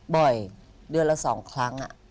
บ่อยเดือนละสองครั้งอะ